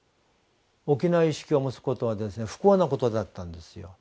沖縄意識を持つことは不幸なことだったんですよ。